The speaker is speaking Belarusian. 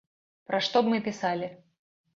Пра што б мы пісалі?